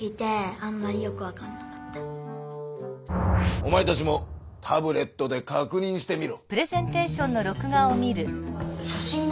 おまえたちもタブレットでかくにんしてみろ。